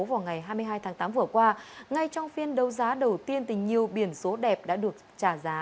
vào ngày hai mươi hai tháng tám vừa qua ngay trong phiên đấu giá đầu tiên tình nhiều biển số đẹp đã được trả giá